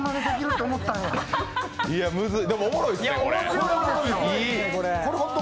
でも、おもろいっすね、これ。